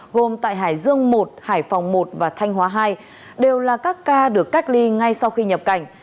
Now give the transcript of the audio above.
gồm tại hải dương một hải phòng một và thanh hóa hai đều là các ca được cách ly ngay sau khi nhập cảnh